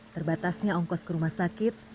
terbatasnya ongkos ke rumah sakit